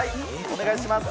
お願いします。